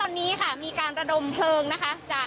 วันนี้นะคะก็จะมีการควบคุมเพิ่มไว้ทั้งหมดค่ะ